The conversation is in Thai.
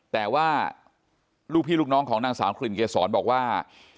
แต่ว่าลูกพี่ลูกน้องของนางสาวกลิ่นเกษรบอกว่า